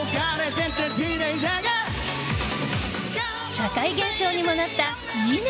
社会現象にもなったいいね